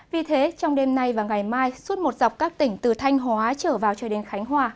vì thế trong đêm nay và ngày mai suốt một dọc các tỉnh từ thanh hóa trở vào cho đến khánh hòa